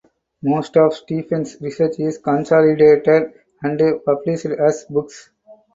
Most of Stebbins research is consolidated and published as books.